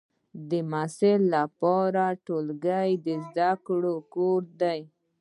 د محصل لپاره ټولګی د زده کړې کور دی.